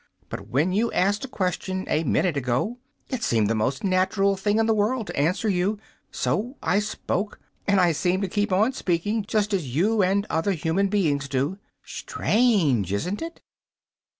But when you asked a question, a minute ago, it seemed the most natural thing in the world to answer you. So I spoke, and I seem to keep on speaking, just as you and other human beings do. Strange, isn't it?"